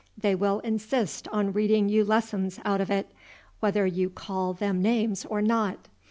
They will insist on reading you lessons out of it, whether you call them names or not.